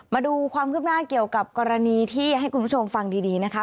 มาดูความคืบหน้าเกี่ยวกับกรณีที่ให้คุณผู้ชมฟังดีนะคะ